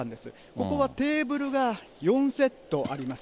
ここはテーブルが４セットあります。